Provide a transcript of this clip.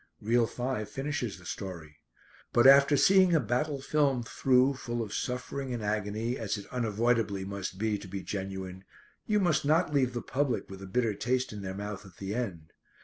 Reel five finishes the story. But after seeing a battle film through full of suffering and agony, as it unavoidably must be to be genuine, you must not leave the public with a bitter taste in their mouth at the end.